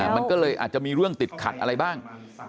มันก็เลยอาจจะมีเรื่องติดขัดอะไรบ้าง